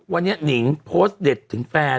วันนี้หนิงโพสต์เด็ดถึงแฟน